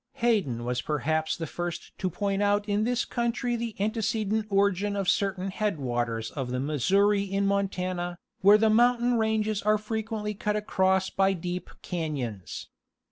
Hayden was perhaps the first to point out in this country the antecedent origin of certain headwaters of the Missouri in Mon tana, where the mountain ranges are frequently cut across by deep cafions.